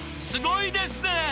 ［すごいですね］